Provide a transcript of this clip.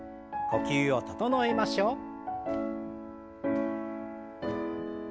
呼吸を整えましょう。